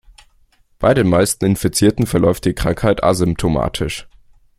Bei den meisten Infizierten verläuft die Krankheit asymptomatisch.